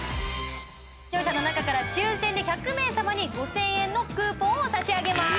視聴者の中から抽選で１００名様に５０００円のクーポンを差し上げます。